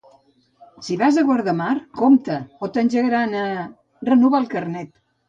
Si vas a Guardamar, compte, o t'engegaran a... renovar el carnet.